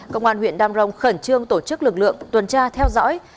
công an huyện đam rồng khẩn trương tổ chức lực lượng tuần tra theo dõi